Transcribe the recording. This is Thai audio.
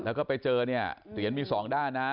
แล้วก็ไปเจอเหลียนมี๒ด้านนะ